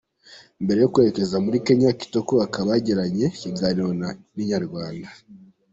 Mbere yo kwerekeza muri Kenya Kitoko akaba yagiranye ikiganiro na Inyarwanda.